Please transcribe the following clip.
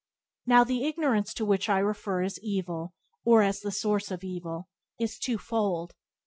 Now the ignorance to which I refer as evil, or as the source of evil, is two fold.